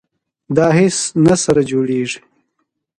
دا هیڅ نه سره جوړیږي.